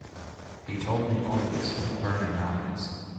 He told me all this with burning eyes.